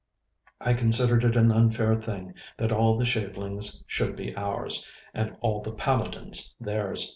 I considered it an unfair thing that all the shavelings should be ours, and all the paladins theirs.